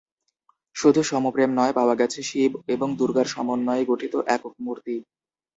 শুধু সমপ্রেম নয়, পাওয়া গেছে শিব এবং দুর্গার সমন্বয়ে গঠিত একক মূর্তি।